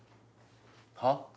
はっ？